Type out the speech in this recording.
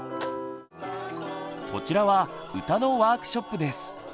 こちらは歌のワークショップです。